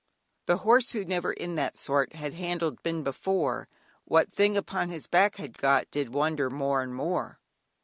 The horse who never in that sort Had handled been before, What thing upon his back had got Did wonder more and more.